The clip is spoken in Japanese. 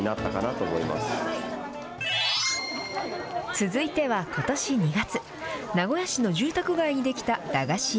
続いては、ことし２月、名古屋市の住宅街に出来た駄菓子屋。